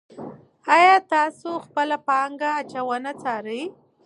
آیا تاسو خپله پانګه اچونه څارئ.